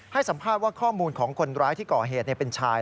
ให้สัมภาษณ์ว่าข้อมูลของคนร้ายที่ก่อเหตุเป็นชาย